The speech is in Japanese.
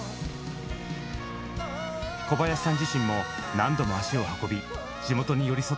小林さん自身も何度も足を運び地元に寄り添った活動を続けてきました。